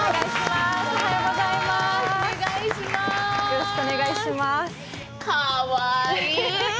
よろしくお願いします。